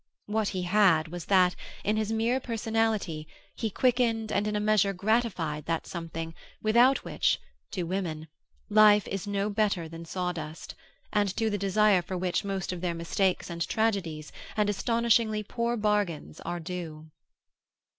What he had was that, in his mere personality, he quickened and in a measure gratified that something without which to women life is no better than sawdust, and to the desire for which most of their mistakes and tragedies and astonishingly poor bargains are due.